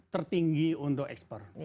tertinggi untuk ekspor